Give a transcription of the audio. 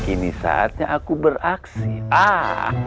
kini saatnya aku berakhir